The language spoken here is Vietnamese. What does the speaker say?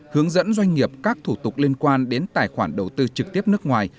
hướng dẫn doanh nghiệp các thủ tục liên quan đến tài khoản đầu tư trực tiếp nước ngoài